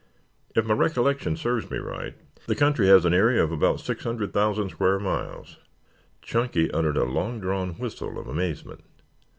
If my recollection serves me right, the country has an area of about six hundred thousand square miles." Chunky uttered a long drawn whistle of amazement.